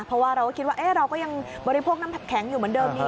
เพราะว่าเราก็คิดว่าเราก็ยังบริโภคน้ำแข็งอยู่เหมือนเดิมดี